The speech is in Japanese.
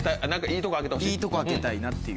いいとこ開けたいなっていう。